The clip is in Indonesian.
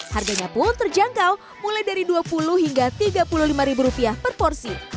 harganya pun terjangkau mulai dari dua puluh hingga rp tiga puluh lima per porsi